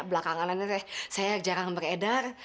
belakangan ini saya jarang beredar